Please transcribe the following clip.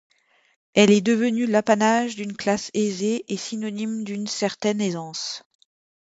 Elle est devenue l'apanage d'une classe aisée, et synonyme d'une certaine aisance.